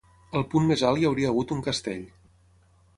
Al punt més alt hi hauria hagut un castell.